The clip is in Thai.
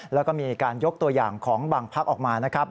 แล้วก็มีการยกตัวอย่างของบางพักออกมานะครับ